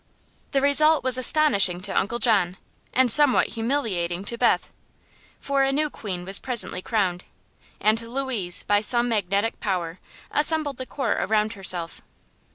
The result was astonishing to Uncle John and somewhat humiliating to Beth; for a new queen was presently crowned, and Louise by some magnetic power assembled the court around herself.